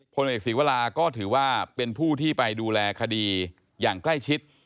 พลเอกศีวราก็ถือว่าเป็นผู้ที่ไปดูแลคดีอย่างใกล้ชิด